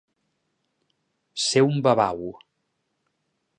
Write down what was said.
Ser un babau.